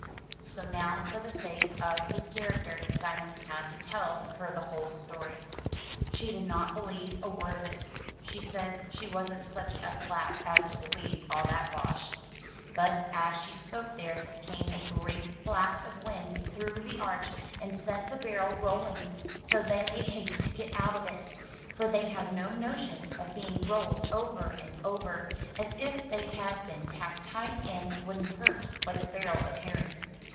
So now, for the sake of his character. Diamond had to tell her the whole story. She did not believe a word of it. She said she wasn't such a flat as to believe all that bosh. But as she spoke there came a great blast of wind through the arch, and set the barrel roll ing. So they made haste to get out of it, for they had no notion of being rolled over and over as if they had been packed tight and wouldn't hurt, like a barrel of herrings.